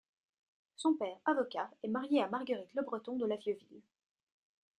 Son père, avocat, est marié à Marguerite Le Breton de la Vieuville.